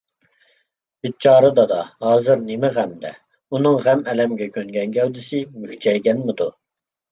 بىچارە دادا ھازىر نېمە غەمدە، ئۇنىڭ غەم-ئەلەمگە كۆنگەن گەۋدىسى مۈكچەيگەنمىدۇ؟